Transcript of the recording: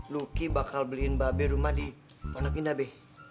luki bakal beliin babe rumah di pondok indah be